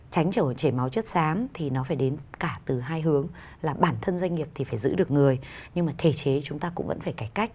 tránh trở máu chất xám thì nó phải đến cả từ hai hướng là bản thân doanh nghiệp thì phải giữ được người nhưng mà thể chế chúng ta cũng vẫn phải cải cách